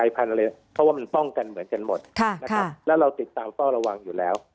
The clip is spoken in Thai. เพราะว่ามันป้องกันเหมือนกันหมดและเราติดตามต้องระวังอยู่แล้ว